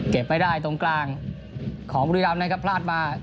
ไม่ได้ตรงกลางของบุรีรำนะครับพลาดมา